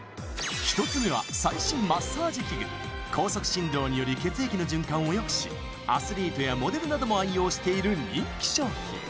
１つ目は最新マッサージ器具高速振動により血液の循環をよくしアスリートやモデルなども愛用している人気商品